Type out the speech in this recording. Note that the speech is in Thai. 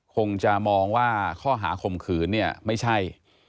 คงจะมองว่าข้อหาข่มขืนเนี่ยไม่ใช่